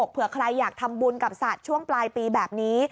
เผื่อใครอยากทำบุญกับสัตว์ช่วงปลายปีแบบนี้